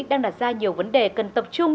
đang đặt ra nhiều vấn đề cần tập trung